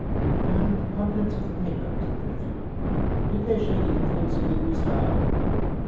"And the contents of the paper," said the nephew, "did they show the influence of the new style?"